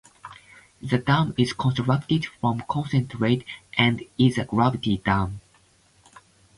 The dam is constructed from concrete and is a gravity dam.